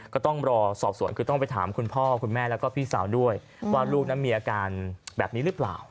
ก็ต้องรอสอบสวนคือต้องไปถามคุณพ่อคุณแม่แล้วก็พี่สาวด้วยว่าลูกนั้นมีอาการแบบนี้หรือเปล่า